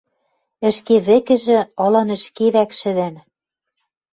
Ӹшке вӹкӹжӹ ылын ӹшке вӓк шӹдӓн: